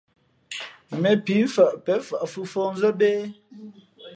Mēn píi mfαʼ pěn fαʼ fʉ́ fα̌hnzά bě?